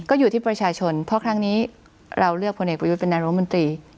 ก็อยู่ที่ประชาชนเพราะครั้งนี้เราเลือกพลเอกประยุทธ์เป็นนายรมนตรี